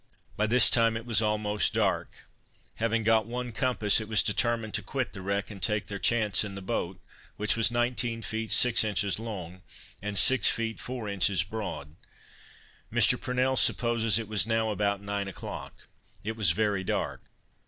By this time it was almost dark; having got one compass, it was determined to quit the wreck, and take their chance in the boat, which was nineteen feet six inches long, and six feet four inches broad; Mr. Purnell supposes it was now about nine o'clock; it was very dark.